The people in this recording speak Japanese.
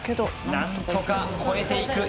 何とか越えて行く。